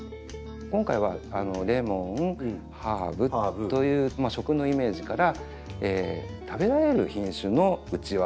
今回はレモンハーブという食のイメージから食べられる品種のウチワサボテン。